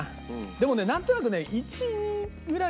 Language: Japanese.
でもねなんとなくね。